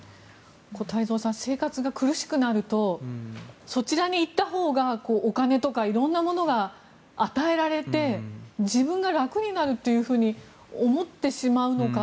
太蔵さん生活が苦しくなるとそちらに行ったほうがお金とか色んなものが与えられて自分が楽になるというふうに思ってしまうのか。